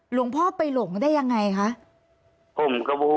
หลวงพ่อไปหลงได้ยังไงคะ